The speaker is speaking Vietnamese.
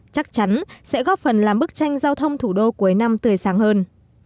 chắc chắn sẽ góp phần làm bức tranh giao thông thủ đô cuối năm tươi sáng hơn